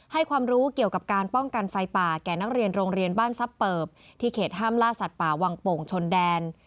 ความรู้เกี่ยวกับการป้องกันไฟป่าแก่นักเรียนโรงเรียนบ้านซับเปิบที่เขตห้ามล่าสัตว์ป่าวังโป่งชนแดน